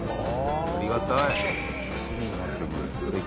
ありがたい。